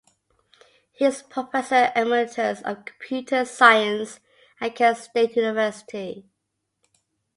He is Professor Emeritus of Computer Science at Kent State University.